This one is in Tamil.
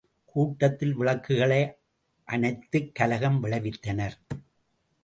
கூட்டத்தில் விளக்குகளை அனைத்துக் கலகம் விளைவித்தனர்.